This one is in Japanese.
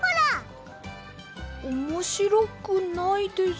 おもしろくないです。